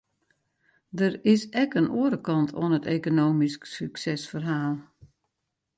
Der is in oare kant oan it ekonomysk suksesferhaal.